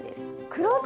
黒酢？